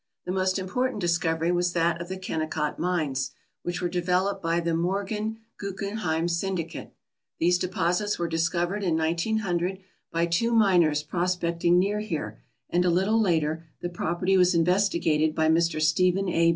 The most important discovery was that of the Ken necott mines, which were developed by t;he Morgan Guggenheim syndicate. These deposits were discovered in 1900 by two miners prospecting near here, and a little later the property was investigated by Mr, Stephen A.